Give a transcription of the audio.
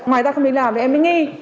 ngoài ra không đến làm thì em mới nghi